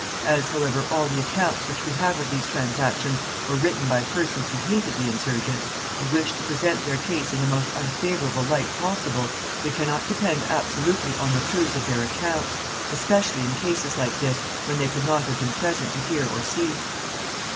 As, however, all the accounts which we have of these transactions were written by persons who hated the insurgents, and wished to present their case in the most unfavorable light possible, we can not depend absolutely on the truth of their accounts, especially in cases like this, when they could not have been present to hear or see.